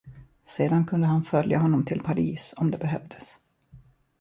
Sedan kunde han följa honom till Paris om det behövdes.